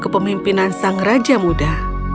pemimpinan sang raja muda